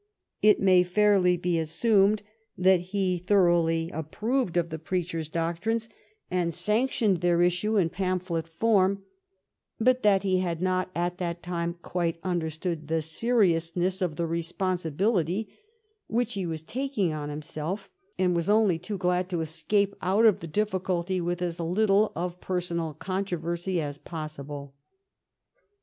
It may fairly be assumed that he thor 292 SACHEYEBELL oughly approved of the preacher's doctrines, and sanc tioned their issue in pamphlet form, but that he had not at the time quite understood the seriousness of the responsibility which he was taking on himself, and was only too glad to escape out of the difficulty with as little of personal controversy as possible.